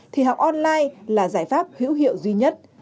thì học online là giải pháp hữu hiệu duy nhất